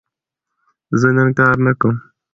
زه نن کار نه کوم.